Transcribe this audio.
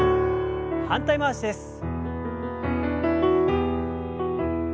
反対回しです。